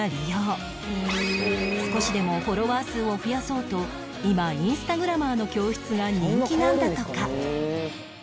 少しでもフォロワー数を増やそうと今インスタグラマーの教室が人気なんだとか